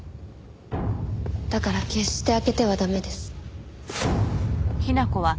だから決して開けては駄目です。